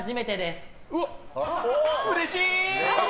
うれしー！